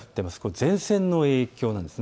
前線の影響なんです。